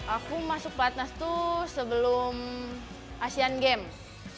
aku masuk pelatnas tuh sebelum asean games